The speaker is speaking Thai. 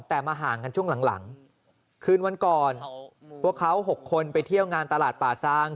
แต่มาห่างกันช่วงหลังคืนวันก่อนพวกเขา๖คนไปเที่ยวงานตลาดป่าซาง